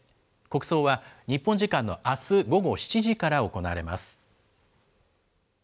国葬は日本時間のあす午後７時から行われます。